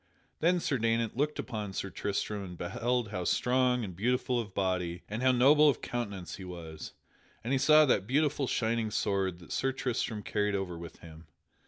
Then Sir Daynant looked upon Sir Tristram and beheld how strong and beautiful of body and how noble of countenance he was, and he saw that beautiful shining sword that Sir Tristram carried ever with him.